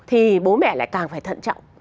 thì bố mẹ lại càng phải thận trọng